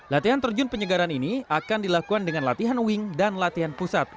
latihan terjun penyegaran ini akan dilakukan dengan latihan wing dan latihan pusat